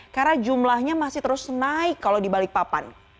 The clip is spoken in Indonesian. karena jumlahnya masih terus naik kalau dibalik papan